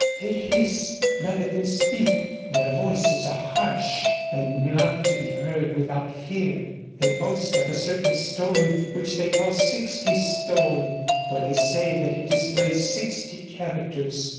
They hiss rather than speak; their voices are harsh, and not to be heard without fear. They boast of a certain stone, which they call Sixtystone; for they say that it displays sixty characters.